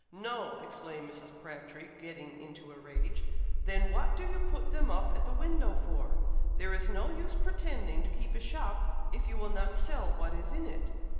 "No!" exclaimed Mrs. Crabtree, getting into a rage; "then what do you put them up at the window for? There is no use pretending to keep a shop, if you will not sell what is in it!